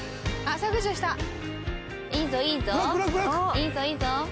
いいぞいいぞ。